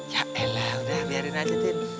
ya elah udah biarin aja tin